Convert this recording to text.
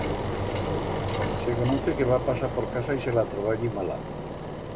Se conoce que va pasar por casa y se la trobar allí mala.